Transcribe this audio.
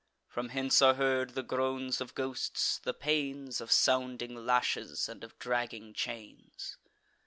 From hence are heard the groans of ghosts, the pains Of sounding lashes and of dragging chains.